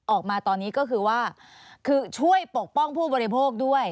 ออกมาตอนนี้ก็คือว่าคือช่วยปกป้องผู้บริโภคด้วย